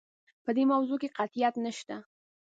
په دې موضوع کې قطعیت نشته.